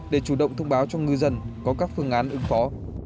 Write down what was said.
để chủ động thông báo cho ngư dân có các phương án ứng phó